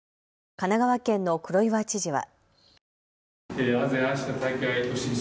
神奈川県の黒岩知事は。